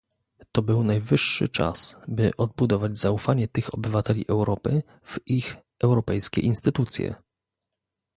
To był najwyższy czas, by odbudować zaufanie tych obywateli Europy w ich europejskie instytucje